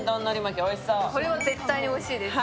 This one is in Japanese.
これは絶対においしいです。